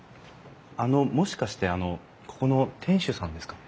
あのもしかしてあのここの店主さんですか？